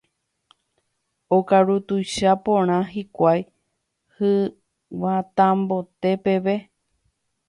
okaru tuicha porã hikuái hyvatãmbóte peve